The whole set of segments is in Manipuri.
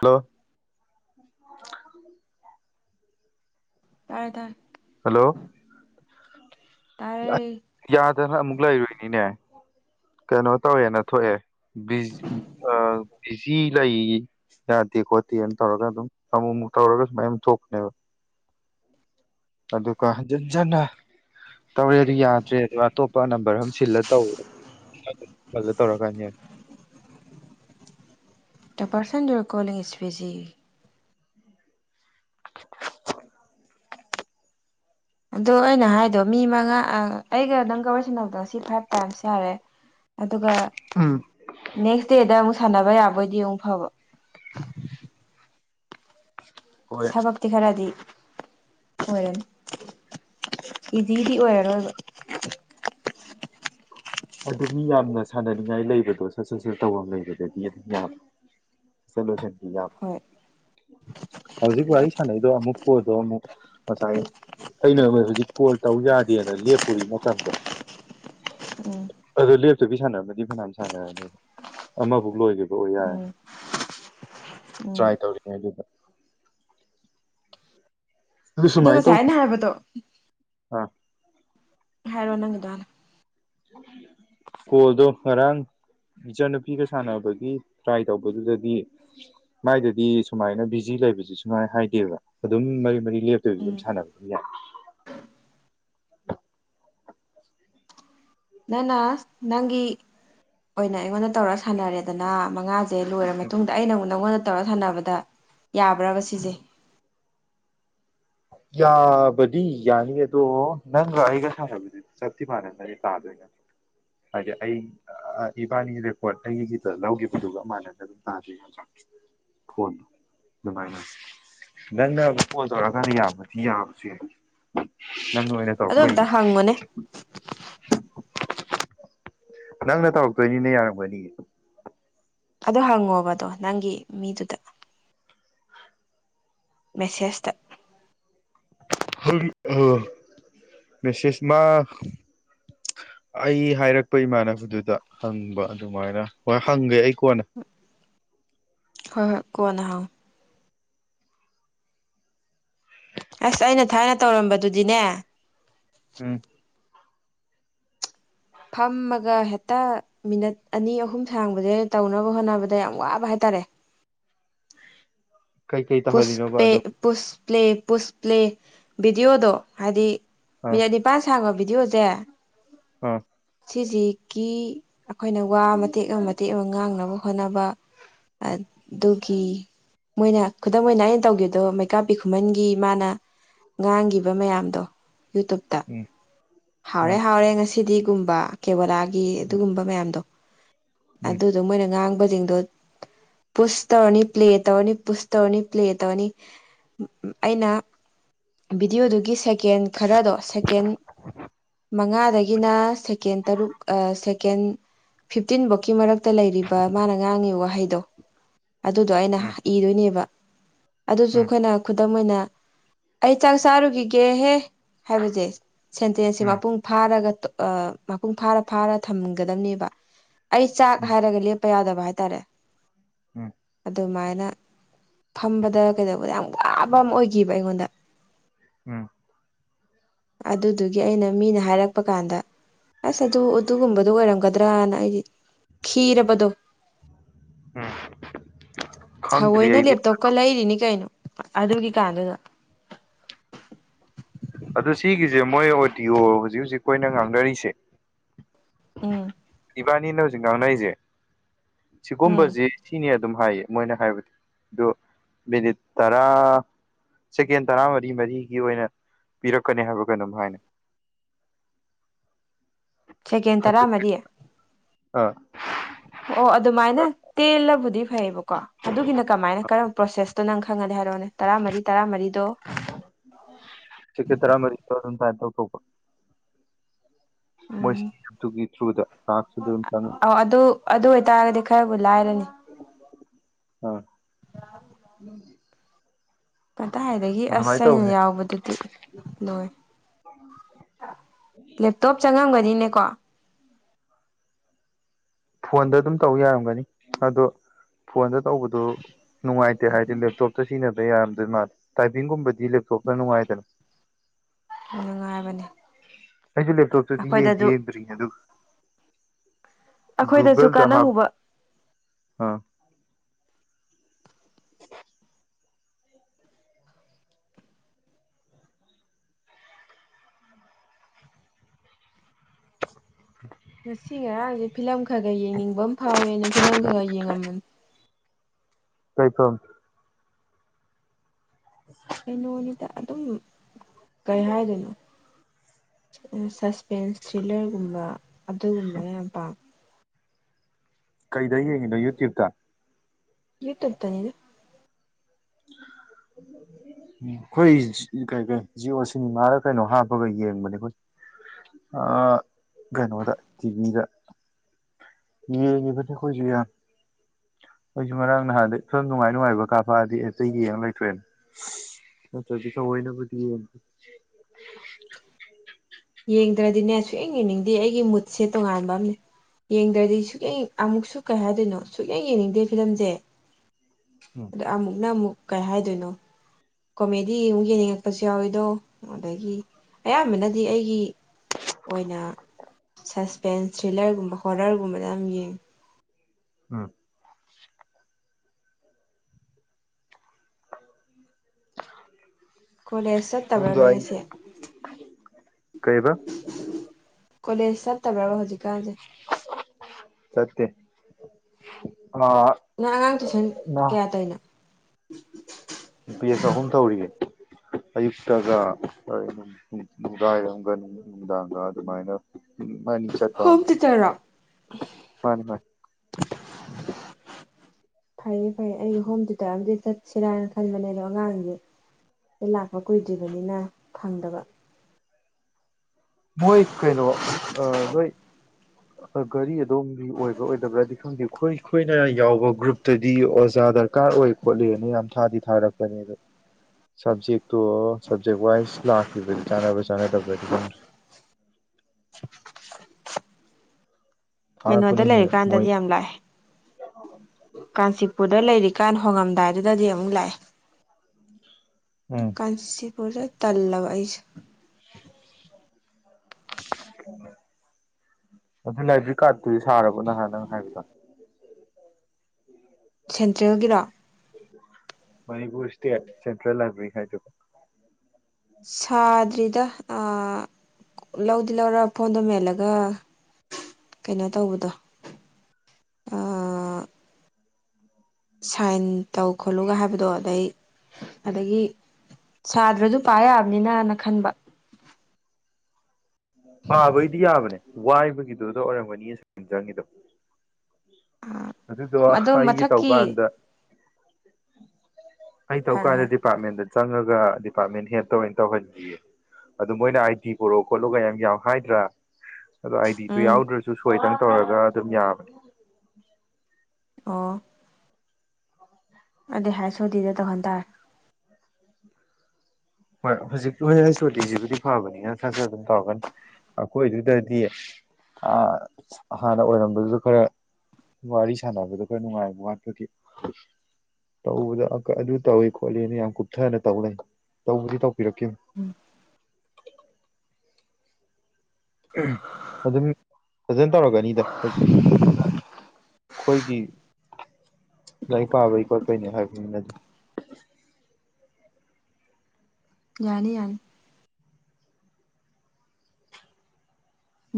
ꯍꯜꯂꯣ꯫ ꯇꯥꯔꯦ-ꯇꯥꯔꯦ꯫ ꯍꯜꯂꯣ꯫ ꯌꯥ ꯇꯥꯔꯦ ꯌꯥꯗꯅ ꯑꯃꯨꯛ ꯂꯩꯔꯨꯏꯅꯤꯅꯦ ꯀꯩꯅꯣ ꯇꯧꯋꯦꯅ ꯊꯣꯛꯑꯦ꯫ ꯕꯤꯖ ꯑ ꯕꯤꯖꯤ ꯂꯩ ꯌꯥꯗꯦ ꯈꯣꯠꯇꯦꯅ ꯇꯧꯔꯒ ꯑꯗꯨꯝ ꯑꯃꯨꯃꯨꯛ ꯇꯧꯔꯒ ꯁꯨꯃꯥꯏꯅ ꯊꯣꯛꯄꯅꯦꯕ꯫ ꯑꯗꯨꯒ ꯍꯟꯖꯤꯟꯖꯟꯅ ꯇꯧꯔꯦ ꯑꯗꯨ ꯌꯥꯗ꯭ꯔꯦ ꯑꯗꯨꯒ ꯑꯇꯣꯞꯄ ꯅꯝꯕꯔ ꯑꯃ ꯁꯤꯜꯂ ꯇꯧ꯫ [inaudible] ꯇꯧꯔꯀꯥꯟ ꯌꯥꯏ꯫ The person you're calling is busy. [inaudible] ꯑꯗꯣ ꯑꯩꯅ ꯍꯥꯏꯗꯣ ꯃꯤ ꯃꯉꯥ ꯑ ꯑꯩꯒ ꯅꯪꯒ ꯋꯥꯔꯤꯁꯟꯅꯕꯗꯣ ꯉꯁꯤ ꯐꯥꯏꯚ ꯇꯥꯏꯝꯁ ꯌꯥꯔꯦ꯫ ꯑꯗꯨꯒ ꯎꯝ꯫ ꯅꯦꯛꯁ ꯗꯦꯗ ꯑꯃꯨꯛ ꯁꯥꯟꯅꯕ ꯌꯥꯕꯣꯏꯗꯤ ꯑꯃꯨꯛ ꯐꯕ꯫ ꯍꯣꯏ ꯊꯕꯛ ꯇꯤ ꯈꯔꯗꯤ ꯑꯣꯏꯔꯅꯤ ꯏꯖꯤꯗꯤ ꯑꯣꯏꯔꯔꯣꯏꯕ꯫ ꯑꯗꯨ ꯃꯤ ꯌꯥꯝꯅ ꯁꯥꯟꯅꯅꯤꯡꯉꯥꯏ ꯂꯩꯕꯗꯣ ꯁꯠ ꯁꯠ ꯁꯠ ꯇꯧꯐꯝ ꯂꯩꯕꯗꯗꯤ ꯑꯗꯨꯝ ꯌꯥꯝ ꯍꯣꯏ [inaudible] ꯍꯧꯖꯤꯛ ꯋꯥꯔꯤ ꯁꯥꯟꯅꯩꯗꯣ ꯑꯃꯨꯛ ꯀꫭꯜꯗꯣ ꯑꯃꯨꯛ ꯉꯁꯥꯏ ꯑꯩꯅꯥ ꯑꯃ ꯍꯧꯖꯤꯛ ꯀꯣꯜ ꯇꯧ ꯌꯥꯗꯦꯅ ꯂꯦꯞꯄꯨꯔꯤ ꯃꯇꯝꯗꯣ꯫ ꯎꯝ ꯑꯗꯣ ꯂꯦꯞꯇꯨꯕꯤ ꯁꯥꯟꯅꯝꯕꯗꯤ ꯐꯅꯥꯌꯥꯝ ꯁꯥꯟꯅꯔꯅꯤ꯫ ꯑꯃꯕꯨꯛ ꯂꯣꯏꯈꯤꯕ ꯑꯣꯏ ꯌꯥꯔꯦ ꯎꯝ ꯎꯝ ꯇ꯭ꯔꯥꯏ ꯇꯧꯔꯤꯉꯩꯗꯨꯗ꯫ ꯑꯗꯣ ꯉꯁꯥꯏ ꯑꯩꯅ ꯍꯥꯏꯕꯗꯣ ꯑ꯫ ꯍꯥꯏꯔꯣ ꯅꯪꯒꯤꯗꫭ ꯍꯥꯟꯅ꯫ ꯀꯣꯜꯗꯣ ꯉꯔꯥꯡ ꯏꯆꯟꯅꯨꯄꯤꯒ ꯁꯥꯟꯅꯕꯒꯤ ꯇ꯭ꯔꯥꯏ ꯇꯧꯕꯗꯨꯗꯗꯤ ꯃꯥꯏꯗꯗꯤ ꯁꯨꯃꯥꯏꯅ ꯕꯤꯖꯤ ꯂꯩꯕꯁꯤ ꯁꯨꯉꯥꯏ ꯍꯥꯏꯗꯦꯕ ꯑꯗꯨꯝ ꯃꯔꯤ ꯃꯔꯤ ꯂꯦꯞ ꯑꯗꯨꯁꯨ ꯑꯗꯨꯝ ꯎꯝ ꯁꯥꯟꯅꯕꯗꯤ ꯌꯥꯏ꯫ ꯅꯪꯅ ꯅꯪꯒꯤ ꯑꯣꯏꯅ ꯑꯩꯉꯣꯟꯗ ꯇꯧꯔ ꯁꯥꯟꯅꯔꯦꯗꯅ ꯃꯉꯥꯁ ꯇꯦ ꯂꯣꯏꯔ ꯃꯇꯨꯡꯗ ꯑꯩꯅ ꯑꯃꯨꯛ ꯅꯪꯉꯣꯟꯗ ꯇꯧꯔ ꯁꯥꯟꯅꯕꯗ ꯌꯥꯕ꯭ꯔꯥꯕ ꯁꯤꯁꯦ꯫ ꯌꯥꯕꯗꯤ ꯌꯥꯅꯤꯌꯦ ꯑꯗꯣ ꯅꯪꯔ ꯑꯩꯒ ꯁꯥꯥꯅꯕꯗꯨ [inaudible] ꯇꯥꯗꫭꯏꯅꯦ ꯍꯥꯏꯗꯤ ꯑꯩ ꯑ ꯏꯕꯥꯅꯤ ꯔꯦꯀꯣꯔꯠ ꯑꯩꯒꯤꯗ ꯂꯧꯈꯤꯕꯗꯨꯒ ꯃꯥꯟꯅꯗ ꯑꯗꯨꯝ꯫ [inaudible] ꯐꯣꯟꯗ ꯑꯗꯨꯃꯥꯏꯅ ꯅꯪꯅ ꯀꯣꯜ ꯇꯧꯔꯛꯑꯒꯥꯟꯗꯤ ꯌꯥ ꯗꯤ ꯌꯥꯕꯁꯨ ꯌꯥꯏ ꯅꯪꯅ ꯑꯣꯏꯅ ꯑꯗꯨ ꯑꯝꯇ ꯇꯧꯔꯛꯄꯩ ꯍꯪꯉꫭꯅꯦ꯫ ꯅꯪꯅ ꯇꯧꯔꯛꯇꯣꯏꯅꯤꯅ ꯌꯥꯔꯝꯒꯅꯤ꯫ ꯑꯗꯨꯣ ꯍꯪꯉꯣꯕꯗꯣ ꯅꯪꯒꯤ ꯃꯤꯗꯨꯗ꯫ ꯃꯦꯁꯦꯖꯇ꯫ [unintelligible] ꯃꯦꯁꯦꯖ ꯃꯥ ꯑꯩ ꯍꯥꯏꯔꯛꯄ ꯏꯃꯥꯟꯅꯕꯗꯨꯗ ꯍꯪꯕ ꯑꯗꯨꯃꯥꯏꯅ ꯍꯣꯏ ꯍꯪꯒꯦ ꯑꯩ ꯀꯣꯟꯅ꯫ ꯍꯣꯏ ꯍꯣꯏ ꯀꯣꯟꯅ ꯍꯪꯉꫭ꯫ ꯑꯁ ꯑꯩꯅ ꯊꯥꯢꯅ ꯇꯧꯔꯝꯕꯗꯨꯗꯤꯅꯦ ꯎꯝ꯫ ꯐꯝꯃꯒ ꯍꯦꯛꯇ ꯃꯤꯅꯠ ꯑꯅꯤ ꯑꯍꯨꯝ ꯁꯥꯡꯕꯁꯦ ꯇꯧꯅꯕ ꯍꯣꯠꯅꯕꯗ ꯌꯥꯝ ꯋꯥꯕ ꯍꯥꯏꯇꯥꯔꯦ ꯀꯩꯀꯩ ꯄꯨꯁ ꯇꯧꯍꯜꯂꯤꯅꯣꯕ ꯄꯂꯦ ꯑꯗꯨꯝ ꯄꯨꯁ ꯄꯂꯦ ꯄꯨꯁ ꯄꯂꯦ ꯕꯤꯗꯤꯑꯣꯗ ꯍꯥꯏꯗꯤ ꯑꯥ ꯃꯤꯅꯠ ꯅꯤꯄꯥꯥꯟ ꯁꯥꯡꯉꯣ ꯚꯗꯤꯑꯣꯁꯦ ꯎꯝ ꯁꯤꯁꯤꯒꯤ ꯑꯩꯈꯣꯏꯅ ꯋꯥ ꯃꯇꯦꯛ ꯑꯃ ꯃꯇꯦꯛ ꯑꯃ ꯉꯥꯡꯅꯕ ꯍꯣꯠꯅꯕ ꯒꯤ [unintelligible] ꯃꯣꯏꯅ ꯈꯨꯗꯝ ꯑꯣꯏꯅ ꯑꯩꯅ ꯇꯧꯒꯦꯗꯣ ꯃꯩꯀꯥꯄꯤ ꯈꯨꯃꯟꯒꯤ ꯃꯥꯅ ꯉꯥꯡꯈꯤꯕ ꯃꯌꯥꯝꯗꯣ ꯌꯨꯇꯨꯕꯇ ꯎꯝ ꯍꯥꯎꯔꯦ ꯎꯝ ꯍꯥꯎꯔꯦ ꯉꯁꯤꯗꯤꯒꯨꯝꯕ ꯀꯦꯕꯣꯂꯥꯒꯤ ꯑꯗꯨꯒꯨꯝꯕ ꯃꯌꯥꯝꯗꯣ ꯎꯝ ꯑꯗꯨ ꯑꯗ ꯃꯣꯏꯅ ꯉꯥꯡꯕꯁꯤꯡꯗꯣ ꯄꯨꯁ ꯇꯧꯅꯤ ꯄ꯭ꯂꯦ ꯇꯧꯅꯤ ꯄꯨꯁ ꯇꯧꯅꯤ ꯄ꯭ꯂꯦ ꯇꯧꯅꯤ ꯑꯝ-ꯑꯝ ꯑꯩꯅ ꯚꯤꯗꯤꯑꯣꯗꯨꯒꯤ ꯁꯦꯀꯦꯟ ꯈꯔꯗꯣ ꯁꯦꯀꯦꯟ ꯃꯉꯥꯗꯒꯤꯅ ꯁꯦꯀꯦꯟ ꯇꯔꯨꯛ ꯁꯦꯀꯦꯟ ꯐꯤꯐꯇꯤꯟꯐꯧꯀꯤ ꯃꯔꯛ ꯃꯔꯛꯇ ꯂꯩꯔꯤꯕ ꯃꯥꯅ ꯉꯥꯡꯉꯤꯕ ꯋꯥꯍꯩꯗꯣ ꯑꯗꯨꯗꯣ ꯑꯩꯅ ꯎꯝ ꯎꯝ ꯏꯗꯣꯏꯅꯦꯕ ꯑꯗꯨꯁꯨ ꯎꯝ ꯑꯩꯈꯣꯏꯅ ꯈꯨꯗꯝ ꯑꯣꯏꯅ ꯑꯩ ꯆꯥꯛ ꯆꯥꯔꯨꯈꯤꯒꯦꯍꯦ ꯍꯥꯏꯕꯁꯦ ꯆꯦꯁꯦ ꯃꯄꯨꯡ ꯐꯥꯔꯒ ꯃꯄꯨꯡ ꯐꯥꯔ ꯐꯥꯔ ꯊꯝꯒꯗꯕꯅꯦꯕ ꯑꯩ ꯆꯥꯛ ꯎꯝ ꯍꯥꯏꯔꯒ ꯂꯦꯞꯄ ꯌꯥꯗꯕ ꯍꯥꯏꯇꯥꯔꯦ ꯎꯝ ꯑꯗꯨꯃꯥꯏꯅ ꯐꯝꯕꯗ ꯀꯩꯗꯧꯕꯗ ꯌꯥꯝ ꯋꯥꯕ ꯑꯃ ꯑꯣꯏꯈꯤꯌꯦꯕ ꯑꯩꯉꯣꯟꯗ ꯎꯝ ꯑꯗꯨ ꯑꯗꯨꯒꯤ ꯑꯩꯅ ꯃꯤꯅ ꯍꯥꯏꯔꯛꯄ ꯀꯥꯟꯗ ꯑꯁ ꯑꯗꯨ ꯑꯗꯨꯒꯨꯝꯕꯗꯣ ꯑꯣꯏꯔꯝꯒꯗ꯭ꯔꯅ ꯑꯩꯗꯤ ꯈꯤꯔꯕꯗꯣ ꯎꯝ ꯈꯪꯗ꯭ꯔꯤ ꯊꯑꯣꯏꯅ ꯑꯩꯗꯤ ꯂꯦꯞꯇꯣꯞꯀ ꯂꯩꯔꯤꯅꯤ ꯀꯩꯅꯣ ꯑꯗꯨꯒꯤ ꯀꯥꯟꯗꯨꯗ ꯑꯗ ꯁꯤꯒꯤꯁꯦ ꯃꯣꯏ ꯑꯣꯇꯌꯣ ꯍꯧꯖꯤꯛ ꯍꯧꯖꯤꯛ ꯀꯣꯏꯅ ꯉꯥꯡꯅꯔꯤꯁꯦ ꯎꯝ ꯏꯕꯥꯥꯅꯤꯅꯍꯧꯖꯤꯡ ꯉꯥꯡꯅꯏꯖꯦ ꯎꯝ ꯁꯤꯒꯨꯝꯕꯖꯤ ꯁꯤꯅꯤꯌꯔ ꯑꯗꯨꯝ ꯍꯥꯏꯌꯦ ꯃꯣꯏꯅ ꯍꯥꯏꯕꯗꯨ ꯑꯗꯨ ꯃꯤꯅꯤꯠ ꯇꯔꯥ ꯁꯦꯀꯦꯟ ꯇꯔꯥꯃꯔꯤ ꯃꯔꯤꯒꯤ ꯑꯣꯏꯅ ꯄꯤꯔꯛꯀꯅꯤ ꯍꯥꯏꯕ ꯀꯩꯅꯣꯝ ꯍꯥꯏꯅ ꯁꯦꯀꯦꯟ ꯇꯔꯥꯃꯔꯤ ꯑꯥ ꯑꯣ ꯑꯣ ꯑꯗꯨꯃꯥꯏꯅ ꯇꯦꯜꯂꯕꯨꯗꯤ ꯐꯩꯌꯦꯕꯀꯣ ꯑꯗꯨꯒꯤꯅ ꯀꯃꯥꯏꯅ ꯀꯔꯝ ꯄ꯭ꯔꯣꯁꯦꯁꯇꯣ ꯅꯪ ꯈꯪꯉꯅꯤ ꯍꯥꯏꯔꯛꯑꯣꯅꯦ ꯇꯔꯥꯃꯔꯤ ꯇꯔꯥꯃꯔꯤꯗꯣ ꯆꯀ ꯇ꯭ꯔꯥ ꯃꯔꯤ ꯆꯥꯏꯗꯧ ꯀꯣ [unintelligible] ꯃꯣꯏ ꯑꯗꯨꯒꯤ ꯊ꯭ꯔꯨꯗ [unintelligible] ꯑ ꯆꯪꯉ ꯑꯗꯨ ꯑꯗꯨ ꯑꯣꯏꯇꯥꯔꯒꯗꯤ ꯈꯔꯕꯨ ꯂꯥꯏꯔꯅꯤ ꯎꯝ ꯀꯗꯥꯏꯗꯒꯤ ꯑꯁ ꯑꯗꯨꯃꯥꯏꯅ ꯑꯩꯅ ꯇꯧꯋꯦ ꯌꯥꯎꯕꯗꯨꯗꯤ ꯂꯣꯏ ꯂꯦꯞꯇꯣꯞ ꯆꯪꯉꯝꯒꯅꯤꯅꯦꯀꯣ ꯐꯣꯟꯗ ꯑꯗꯨꯝ ꯇꯧ ꯌꯥꯔꯝꯒꯅꯤ ꯑꯗꯣ ꯐꯣꯟꯗ ꯇꯧꯕꯗꯨ ꯅꯨꯡꯉꯥꯏꯇꯦ ꯍꯥꯏꯗꯤ ꯂꯦꯞꯇꯣꯞꯇ ꯁꯤꯖꯤꯟꯅꯕ ꯌꯥꯔꯝꯗꯣꯏ ꯃꯥꯜꯂꯦ ꯇꯥꯏꯄꯤꯡꯒꯨꯝꯕꯗꯤ ꯂꯦꯞꯇꯣꯞꯇ ꯅꯨꯡꯉꯥꯏꯗꯅ ꯌꯥꯝ ꯅꯨꯡꯉꯥꯏꯕꯅꯤ ꯑꯩꯁꯨ ꯂꯦꯞꯇꯣꯞꯇꯗꯤ ꯌꯦꯡꯗꯤ ꯌꯦꯡꯗ꯭ꯔꯤꯅꯦ ꯑꯗꯨꯒ ꯑꯩꯈꯣꯏꯗꯁꯨ ꯨꯒꯨꯒꯜꯗ ꯍꯥꯞꯄ ꯀꯥꯟꯅꯍꯧꯕ ꯉꯁꯤ ꯉꯔꯥꯡꯁꯦ ꯐꯤꯂꯝ ꯈꯔ ꯈꯔ ꯌꯦꯡꯅꯤꯡꯕ ꯑꯃ ꯐꯥꯎꯋꯦꯅ ꯐꯤꯂꯝ ꯈꯔ ꯈꯔ ꯌꯦꯡꯉꯝꯕꯅꯤ ꯀꯩ ꯀ [unintelligible] [inaudible] ꯀꯩꯅꯣꯅꯤꯗ ꯑꯗꯨꯝ ꯀꯩ ꯍꯥꯏꯗꯣꯏꯅꯣ ꯁꯁꯄꯦꯟꯁ ꯊ꯭ꯔꯤꯂꯔꯒꯨꯝꯕ ꯑꯗꯨꯒꯨꯝꯕꯅ ꯌꯥꯝ ꯄꯥꯝꯃꯦ ꯀꯩꯗ ꯌꯦꯡꯉꯤꯅꯣ ꯌꯨꯇ꯭ꯌꯨꯞꯇ ꯌꯨꯇ꯭ꯌꯨꯞ ꯇꯅꯤꯗ [inaudible] ꯎꯝ ꯑꯩꯈꯣꯏ ꯀꯩ ꯀ ꯖꯤꯑꯣ ꯁꯤꯅꯦꯃꯥꯒ ꯀꯩꯅꯣ ꯍꯥꯞꯄꯒ ꯌꯦꯡꯕꯅꯦ ꯑꯩꯈꯣꯏ ꯑꯥ ꯀꯩꯅꯣꯗ ꯇꯤꯚꯤꯗ ꯌꯦꯡꯉꯤꯕꯅꯤ ꯑꯩꯈꯣꯢꯁꯨ ꯌꯥꯝ ꯑꯩꯁꯨ ꯉꯔꯥꯡ ꯅꯍꯥꯟꯗꯩ ꯐꯤꯂꯝ ꯅꯨꯡꯉꯥꯏ ꯅꯨꯡꯉꯥꯏꯕ ꯀꯥꯞꯄꯛꯑꯗꯤ ꯑꯇꯩ ꯌꯦꯡꯉ ꯂꯩꯊꯣꯛꯑꯦꯅ ꯆꯠꯇꯣꯢꯁꯤꯁꯨ ꯑꯣꯏꯅꯕꯗꯤꯑꯅꯦ ꯌꯦꯡꯗ꯭ꯔꯗꯤꯅꯦ ꯁꯨꯛꯌꯦꯡ ꯌꯦꯡꯅꯤꯡꯗꯦ ꯑꯩꯒꯤ ꯃꯨꯠꯁꯦ ꯇꯣꯉꯥꯟꯕ ꯑꯝꯅꯤ ꯌꯦꯡꯗ꯭ꯔꯗꯤ ꯁꯨꯛꯌꯦꯡ ꯑꯃꯨꯛꯁꯨ ꯀꯩ ꯍꯥꯏꯗꯣꯏꯅꯣ ꯁꯨꯛꯌꯦꯡ ꯌꯦꯡꯅꯤꯡꯗꯦ ꯐꯤꯂꯝꯁꯦ ꯎꯝ ꯑꯗ ꯑꯃꯨꯛꯅ ꯑꯃꯨꯛ ꯀꯩ ꯍꯥꯏꯗꯣꯏꯅꯣ ꯀꯣꯃꯦꯗꯤ ꯑꯃꯨꯛ ꯌꯦꯡꯅꯤꯡꯉꯛꯄꯁꯨ ꯌꯥꯎꯢꯗꯣ ꯑꯗꯒꯤ ꯑꯌꯥꯝꯕꯅꯗꯤ ꯑꯩꯒꯤ ꯑꯣꯏꯅ ꯁꯁꯄꯦꯟꯁ ꯊ꯭ꯔꯤꯂꯔꯒꯨꯝꯕ ꯍꯣꯔꯥꯔꯒꯨꯝꯕꯅ ꯌꯥꯝ ꯌꯦꯡꯉꯤ ꯎꯝ ꯀꯣꯂꯦꯖ ꯆꯠꯇꯕ꯭ꯔꯥ ꯅꯪꯗꯣ ꯅꯣꯏ ꯑꯩ ꯉꯁꯤ ꯀꯩꯕ ꯀꯣꯂꯦꯖ ꯆꯠꯇꯕ꯭ꯔꯥꯕ ꯍꯧꯖꯤꯛꯀꯥꯟꯁꯤ ꯆꯠꯇꯦ ꯑꯥ ꯅꯪ ꯑꯉꯥꯡ ꯇꯨꯏꯁꯟ ꯅ ꯀꯌꯥ ꯇꯧꯔꯤꯅꯣ ꯕꯦꯁ ꯑꯍꯨꯝ ꯇꯧꯔꯤꯌꯦ ꯑꯌꯨꯛꯇꯒ ꯑꯗꯩ ꯅꯨꯡꯗꯥꯏꯋꯥꯢꯔꯝꯒ ꯅꯨꯃꯤꯠ ꯅꯨꯡꯗꯥꯡꯒ ꯑꯗꯨꯃꯥꯏꯅ ꯎꯝ ꯃꯥꯅꯤ ꯆꯠꯄ ꯍꯣꯝ ꯑꯒ ꯇ꯭ꯌꯨꯇꯔꯔꯣ ꯃꯥꯅꯤ ꯃꯥꯅꯤ ꯐꯩꯌꯦ ꯐꯩꯌꯦ ꯑꯩꯁꯨ ꯍꯣꯝ ꯇ꯭ꯌꯨꯇꯔ ꯑꯃꯗꯤ ꯆꯠꯁꯤꯔꯥꯅ ꯈꯟꯕꯅꯦꯗꯣ ꯑꯉꯥꯡꯁꯦ ꯑꯩ ꯂꯥꯛꯄ ꯀꯨꯏꯗ꯭ꯔꯤꯕꯅꯤꯅ ꯐꯪꯗꯕ ꯃꯣꯏ ꯀꯩꯅꯣ ꯑꯥ ꯅꯣꯢ ꯒꯥꯔꯤ ꯑꯗꯣꯝꯒꯤ ꯑꯣꯏꯕ꯭ꯔꯥ ꯑꯣꯏꯗꯕ꯭ꯔꯗꯤ ꯈꯪꯗꯦ ꯑꯩꯈꯣꯏ ꯑꯩꯈꯣꯏꯅ ꯌꯥꯎꯕ ꯒ꯭ꯔꯨꯞꯇꯗꯤ ꯑꯣꯖꯥ ꯗꯔꯀꯥꯔ ꯑꯣꯏ ꯈꯣꯠꯂꯦꯅ ꯌꯥꯝ ꯊꯥꯗꯤ ꯊꯥꯔꯛꯄꯅꯦ ꯑꯗꯣ ꯁꯞꯖꯦꯛꯇꯣ ꯁꯞꯖꯦꯛ ꯋꯥꯏꯁ ꯂꯥꯛꯈꯤꯕꯅꯤ ꯆꯥꯟꯅꯕ꯭ꯔꯥ ꯆꯥꯟꯅꯗꯕ꯭ꯔꯗꯤ ꯈꯪꯗ꯭ꯔꯦ ꯀꯩꯅꯣꯗ ꯐꯥꯔꯛꯄꯅꯦ ꯍꯦꯛ ꯍꯦꯛ ꯃꯣꯏ ꯂꯩꯔꯤꯀꯥꯟꯗꯗꯤ ꯂꯥꯛꯑꯦ [unintelligible] ꯀꯥꯟꯆꯤꯄꯨꯔꯗ ꯂꯩꯔꯤꯀꯥꯟ ꯍꯣꯡꯉꯝꯗꯥꯏꯗꯨꯗꯗꯤ ꯑꯃꯨꯛ ꯂꯥꯛꯑꯦ ꯎꯝ ꯀꯥꯟꯆꯤꯄꯨꯔꯗ ꯇꯥꯜꯂꯕ ꯑꯩꯁꯤ ꯑꯗꯨ ꯂꯥꯏꯕ꯭ꯔꯦꯔꯤ ꯀꯥ꯭ꯔꯠꯇꯨꯗꯤ ꯁꯥꯔꯕꯣ ꯅꯥꯍꯟ ꯅꯪ ꯍꯥꯏꯕꯗꯣ ꯁꯦꯟꯇ꯭ꯔꯦꯜꯒꯤꯔꯣ ꯃꯅꯤꯄꯨꯔ ꯏꯁꯇꯦꯠ ꯁꯦꯟꯇ꯭ꯔꯦꯜ ꯂꯥꯏꯕ꯭ꯔꯦꯔꯤ ꯍꯥꯏꯗꯨ ꯁꯥꯗ꯭ꯔꯤꯗ ꯑꯥ ꯂꯧꯗꯤ ꯂꯧꯔ ꯐꯣꯝꯗꯣ ꯃꯦꯜꯂꯒ ꯀꯩꯅꯣ ꯇꯧꯕꯗꯣ [inaudible] ꯑꯥ ꯁꯥꯏꯟ ꯇꯧ ꯈꯣꯠꯂꯨꯒ ꯍꯥꯏꯕꯗꯣ ꯑꯗꯩ ꯑꯗꯒꯤ ꯁꯥꯗ꯭ꯔꯗꯨ ꯄꯥ ꯌꯥꯕꯅꯤꯅ ꯅ ꯈꯟꯕ ꯄꯥꯕꯩꯗꯤ ꯌꯥꯕꯅꯦ ꯋꯥꯏꯕꯒꯤꯗꯨꯗ ꯑꯣꯏꯔꯝꯒꯅꯤ ꯁꯥꯢꯟ ꯆꯪꯉꯤꯗꯣ ꯑꯗꯨꯗꯣ ꯑꯗꯣ ꯑꯩꯒꯤ ꯃꯊꯛꯀꯤ ꯇꯧꯀꯥꯟꯗ ꯑꯩ ꯇꯧ ꯍꯥꯏꯔꯣ ꯀꯥꯟꯗ ꯍꯥꯏꯔꯣ ꯗꯤꯄꯥꯔꯠꯃꯦꯟꯗ ꯆꯪꯉꯒ ꯗꯤꯄꯥꯔꯠꯃꯦꯟ ꯍꯦꯠꯇꯥ ꯑꯣꯢꯅ ꯇꯧꯍꯟꯈꯤꯌꯦ ꯑꯗꯨ ꯃꯣꯏꯅ ꯑꯥꯏ ꯗꯤ ꯄꯨꯔꯛꯑꯣ ꯈꯣꯠꯂꯣꯒ ꯌꯥꯝ ꯌꯥꯝ ꯍꯥꯏꯗ꯭ꯔꯥ ꯑꯗꯣ ꯑꯥꯏ ꯗꯤꯗꯨ ꯎꯝ ꯌꯥꯎꯗ꯭ꯔꯁꯨ ꯁꯣꯏꯗꯪ ꯇꯧꯔꯒ ꯑꯗꯨꯝ ꯌꯥꯕꯅꯤ ꯑꯣ ꯑꯗꯤ ꯍꯥꯏ ꯁꯣ ꯗꯤ ꯗ ꯇꯧꯍꯟ ꯇꯥꯔꯦ ꯍꯣꯏ ꯍꯧꯖꯤꯛ ꯍꯩꯁ ꯑꯣ ꯗꯤ ꯁꯤꯕꯨꯗꯤ ꯐꯕꯅꯤꯅ ꯁꯠ ꯁꯠ ꯑꯗꯨꯝ ꯇꯧꯔꯀꯅꯤ ꯑꯩꯈꯣꯏꯗꯨꯗꯗꯤ ꯑꯥ ꯍꯥꯟꯅ ꯑꯣꯏꯔꯝꯕꯗꯨꯗ ꯈꯔꯥ ꯋꯥꯔꯤ ꯁꯥꯟꯅꯕꯗ ꯈꯔꯥ ꯅꯨꯡꯉꯥꯏꯕ ꯋꯥꯠꯄꯒꯤ ꯇꯧꯕꯗ ꯑꯀ ꯑꯗꯨ ꯇꯧꯋꯤ ꯈꯣꯠꯂꯤꯅ ꯌꯥꯝ ꯀꯨꯞꯊꯅ ꯇꯧ ꯂꯩ ꯇꯧꯕꯗꯤ ꯇꯧꯕꯤꯔꯛꯀꯦꯅꯦ ꯎꯝ ꯑꯗꯨꯝ ꯐꯖꯅ ꯇꯧꯔꯀꯅꯤꯗ ꯍꯧꯖꯤꯛ ꯈꯣꯏꯒꯤ ꯂꯥꯏꯔꯤꯛ ꯄꯥꯕꯩ ꯈꯣꯠꯄꯩꯅꯦ ꯍꯥꯏꯕꯅꯤꯅ ꯑꯗꯨꯝ ꯌꯥꯅꯤ ꯌꯥꯅꯤ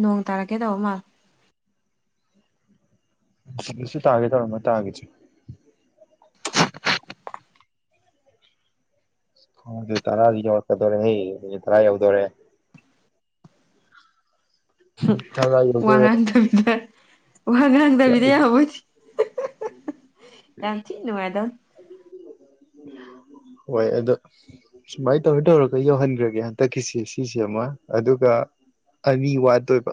ꯅꯣꯡ ꯇꯥꯔꯛꯀꯦ ꯇꯧꯕ ꯃꯥꯜ ꯅꯨꯡꯊꯤꯜꯗꯁꯨ ꯇꯥꯒꯦ ꯇꯧꯔꯝꯕꯅꯤ ꯇꯥꯒꯤꯗꯔꯦ ꯈꯪꯗꯦ ꯇꯔꯥꯗꯤ ꯌꯧꯔꯛꯀꯗꯧꯔꯦꯍꯦ ꯑꯗꯨ ꯇꯔꯥ ꯌꯧꯗꯣꯔꯦ ꯍꯨꯡ ꯃꯤꯅꯤꯠ ꯇꯔꯥ ꯋꯥ ꯌꯧꯗꯣꯔꯦ ꯉꯥꯡꯗꯕꯤꯗ ꯋꯥ ꯉꯥꯡꯗꯕꯤꯗ ꯌꯥꯕꯣꯏꯊꯤ ꯌꯥꯝ ꯊꯤ ꯅꯨꯡꯉꯥꯏꯗꯧ ꯍꯣꯏ ꯑꯗꯣ ꯁꯨꯃꯥꯏ ꯇꯧꯔ ꯇꯧꯔꯒ ꯌꯧꯍꯟꯒ꯭ꯔꯒꯦ ꯍꯟꯗꯛꯀꯤꯁꯤ ꯁꯤꯁꯦ ꯑꯃ ꯑꯗꯨꯒ ꯑꯅꯤ ꯋꯥꯠꯇꯣꯏꯕ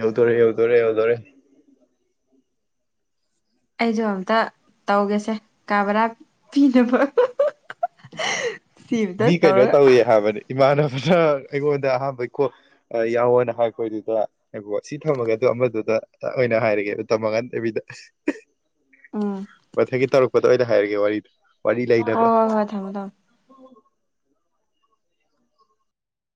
ꯌꯧꯗꯣꯔ ꯌꯧꯗꯣꯔꯦ ꯌꯧꯗꯣꯔꯦ ꯑꯩꯖꯨ ꯑꯝꯇ ꯇꯧꯒꯦꯁꯦ ꯀꯥ ꯕꯔꯥ ꯄꯤꯅꯕ ꯁꯤ ꯑꯝꯇ ꯃꯤ ꯀꯩꯅꯣ ꯇꯧꯔꯒ ꯇꯧꯏ ꯍꯥꯏꯕꯅꯤ ꯏꯃꯥꯟꯅꯕꯅ ꯑꯩꯉꯣꯟꯗ ꯑꯍꯥꯟꯕꯩ ꯀꯣꯜ ꯌꯥꯎꯋꯣꯅ ꯍꯥꯏꯈꯣꯏꯗꯨꯗ ꯉꯥꯏꯈꯣꯀꯣ ꯁꯤ ꯊꯝꯃꯒꯖꯨ ꯑꯃꯗꯨꯗ ꯑꯣꯏꯅ ꯍꯥꯏꯔꯒꯦ ꯃꯇꯝ ꯃꯥꯡꯍꯟꯗꯕꯤꯗ ꯎꯝ ꯃꯊꯪꯒꯤ ꯇꯧꯔꯛꯄꯗ ꯑꯣꯏꯅ ꯍꯥꯏꯔꯒꯦ ꯋꯥꯔꯤꯗ ꯋꯥꯔꯤ ꯂꯩꯅꯕ ꯍꯣꯏ ꯍꯣꯏ ꯍꯣꯏ ꯊꯝꯃꯣ ꯊꯝꯃꯣ